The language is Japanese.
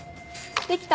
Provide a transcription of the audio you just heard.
できた！